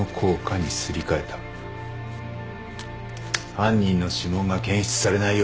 犯人の指紋が検出されないように。